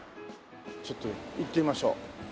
ちょっと行ってみましょう。